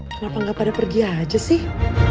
kenapa nggak pada pergi aja sih